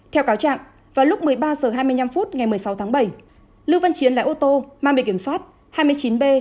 theo cáo trạng vào lúc một mươi ba h hai mươi năm ngày một mươi sáu tháng bảy lưu văn chiến lại ô tô mang bị kiểm soát hai mươi chín b sáu trăm hai mươi năm